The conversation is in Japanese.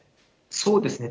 そうですね。